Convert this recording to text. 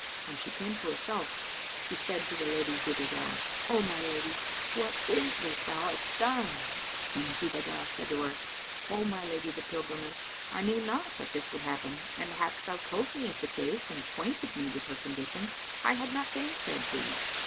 When she came to herself, she said to the Lady Zubaydah, "O my lady, what is this thou hast done?" And Zubaydah said to her, "O my lady the pilgrimess, I knew not that this would happen and hadst thou told me of the case and acquainted me with her condition, I had not gainsaid thee.